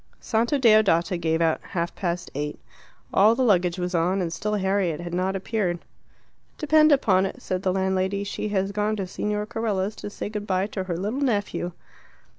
Santa Deodata gave out half past eight. All the luggage was on, and still Harriet had not appeared. "Depend upon it," said the landlady, "she has gone to Signor Carella's to say good bye to her little nephew."